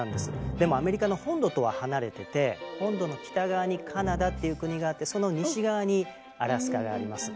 でもアメリカの本土とは離れてて本土の北側にカナダという国があってその西側にアラスカがあります。